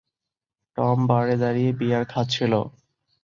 Tom বারে দাঁড়িয়ে beer খাচ্ছিল।